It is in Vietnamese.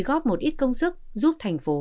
góp một ít công sức giúp thành phố